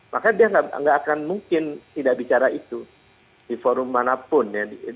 maka dia tidak akan mungkin tidak bicara itu di forum manapun